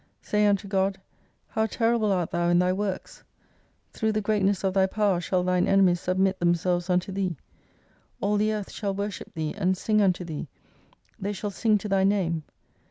Say unto God, how terrible art Thou in Thy works 1 Through the greatness of Thy power shall Thine enemies submit themselves unto TJiee. All the earth shall worship Thee, and sing unto Thee, they shall sing to Thy name.